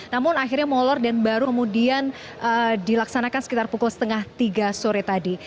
namun akhirnya molor dan baru kemudian dilaksanakan sekitar pukul setengah tiga sore tadi